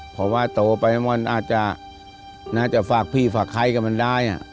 เพราะว่าโตไปมันอาจจะฝากพี่ฝากใครกับมันได้